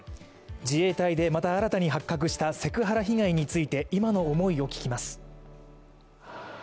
自衛隊でまた新たに発覚したセクハラ被害について今の思いを聞きます。